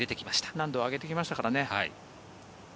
難度を上げてきましたからね。